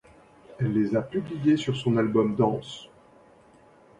Elle les a publiées sur son album Dense.